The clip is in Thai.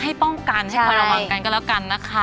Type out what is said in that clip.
ให้ป้องกันให้เป็นรัวหวังกันแล้วกันนะคะ